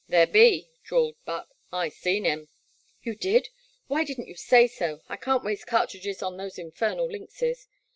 '* There be," drawled Buck, '' I seen him." "You did? Why did n*t you say so I I can't waste cartridges on those infernal lynxes."